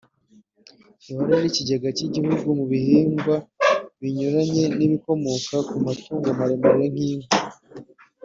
ihora ari ikigega cy’igihugu mu bihingwa binyuranye n’ibikomoka ku matuno maremare nk’inka